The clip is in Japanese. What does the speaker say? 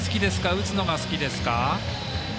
打つのが好きですか？